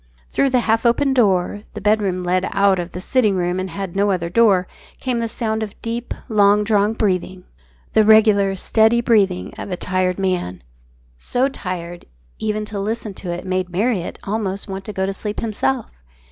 Through the half open door the bedroom led out of the sitting room and had no other door came the sound of deep, long drawn breathing, the regular, steady breathing of a tired man, so tired that, even to listen to it made Marriott almost want to go to sleep himself.